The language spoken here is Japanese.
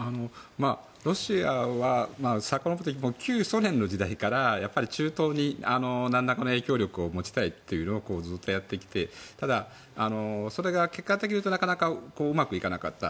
ロシアは旧ソ連の時代から中東に何らかの影響力を持ちたいということをずっとやってきて、ただ、それが結果的にいうとなかなかうまくいかなかった。